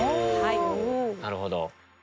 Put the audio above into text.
なるほど。